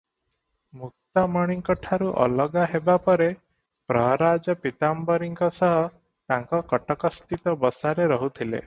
ମୁକ୍ତାମଣିଙ୍କଠାରୁ ଅଲଗା ହେବା ପରେ ପ୍ରହରାଜ ପୀତାମ୍ବରୀଙ୍କ ସହ ତାଙ୍କ କଟକସ୍ଥିତ ବସାରେ ରହୁଥିଲେ ।